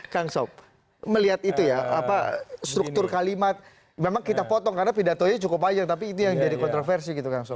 kang sob melihat itu ya apa struktur kalimat memang kita potong karena pidatonya cukup panjang tapi itu yang jadi kontroversi gitu kang sob